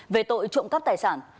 về tội trộm cắp tài sản